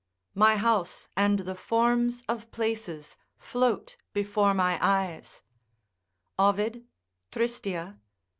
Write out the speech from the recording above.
["My house and the forms of places float before my eyes" Ovid, Trist, iii.